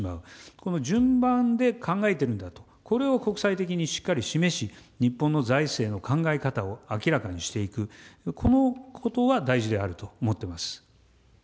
この順番で考えているんだと、これを国際的にしっかり示し、日本の財政の考え方を明らかにしていく、このことは大事であると思っています。